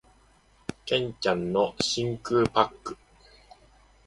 剣ちゃんの真空パック